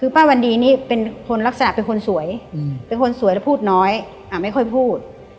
คือป้าวันดีนี่เป็นคนลักษณะเป็นคนสวยเป็นคนสวยแล้วพูดน้อยไม่ค่อยพูด